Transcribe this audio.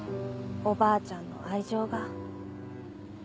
おばあちゃんの愛情が。